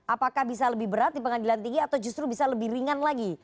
apakah bisa lebih berat di pengadilan tinggi atau justru bisa lebih ringan lagi